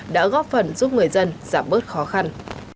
đã góp phần giúp người dân giảm bớt khó khăn